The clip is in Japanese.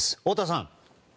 太田さん。